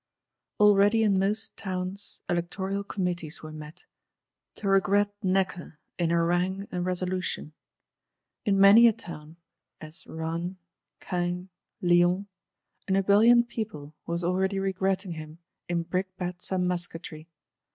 Already in most Towns, Electoral Committees were met; to regret Necker, in harangue and resolution. In many a Town, as Rennes, Caen, Lyons, an ebullient people was already regretting him in brickbats and musketry.